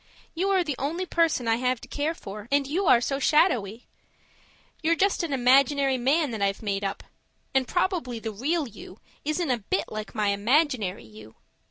You are the only person I have to care for, and you are so shadowy. You're just an imaginary man that I've made up and probably the real YOU isn't a bit like my imaginary YOU.